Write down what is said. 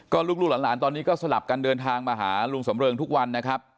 ลูกหลานตอนนี้ก็สลับกันเดินทางมาหาลุงสำเริงทุกวันนะครับ